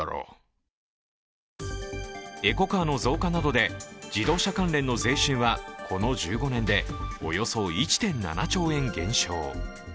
エコカーの増加などで自動車関連の税収はこの１５年でおよそ１．７兆円減少。